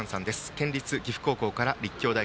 県立岐阜高校から立教大。